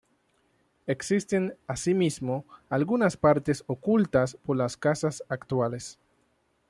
Existen, asimismo, algunas partes ocultas por las casas actuales.